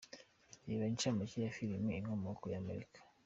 Reba inshamake ya filime “Inkomoko y’Amarira”.